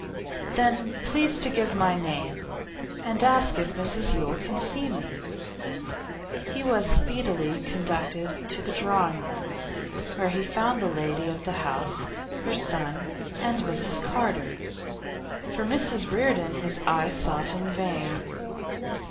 'Then please to give my name, and ask if Mrs Yule can see me.' He was speedily conducted to the drawing room, where he found the lady of the house, her son, and Mrs Carter. For Mrs Reardon his eye sought in vain.